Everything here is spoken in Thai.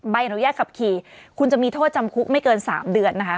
ใบอนุญาตขับขี่คุณจะมีโทษจำคุกไม่เกิน๓เดือนนะคะ